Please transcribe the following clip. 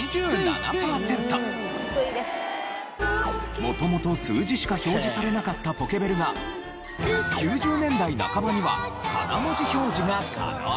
元々数字しか表示されなかったポケベルが９０年代半ばにはカナ文字表示が可能に。